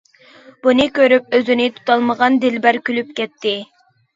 بۇنى كۆرۈپ ئۆزىنى تۇتالمىغان دىلبەر كۈلۈپ كەتتى.